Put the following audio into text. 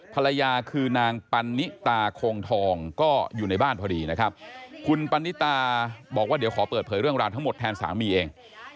ภรรยาคือนางปันนิตาคงทองก็อยู่ในบ้านพอดีนะครับคุณปันนิตาบอกว่าเดี๋ยวขอเปิดเผยเรื่องราวทั้งหมดแทนสามีเอง